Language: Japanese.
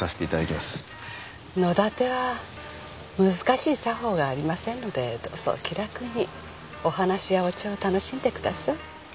野だては難しい作法はありませんのでどうぞ気楽にお話やお茶を楽しんでください。